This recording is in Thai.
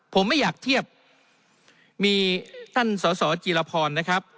ผมไม่อยากเทียบมีท่านสอสอจีรพรนะครับ